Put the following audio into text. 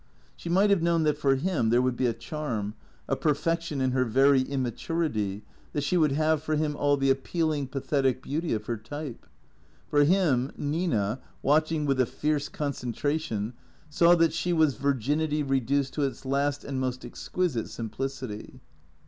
She might have known that for him there would be a charm, a perfection in her very immaturity, that she would have for him all the appealing, pathetic beauty of her type. For him, Nina, watching with a fierce concentration, saw that she was virginity reduced to its last and most exquisite sim plicity.